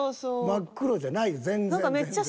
真っ黒じゃないよ全然。